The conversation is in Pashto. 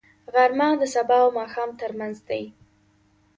غرمه د سبا او ماښام ترمنځ دی